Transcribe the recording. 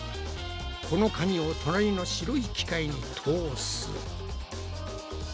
この紙を隣の白い機械に通す。